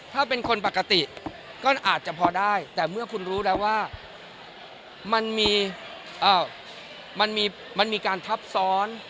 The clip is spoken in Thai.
ถ้าเป็นคนปกติก็อาจจะพอได้แต่เมื่อคุณรู้แล้วว่ามันมีการทับซ้อน